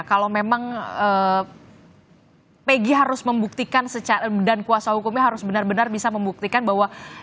kalau memang pegi harus membuktikan dan kuasa hukumnya harus benar benar bisa membuktikan bahwa